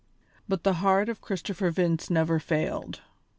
But the heart of Christopher Vince never failed.